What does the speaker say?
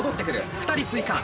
２人追加。